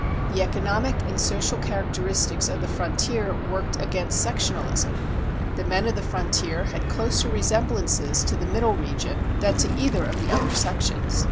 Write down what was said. The economic and social characteristics of the frontier worked against sectionalism. The men of the frontier had closer resemblances to the Middle region than to either of the other sections.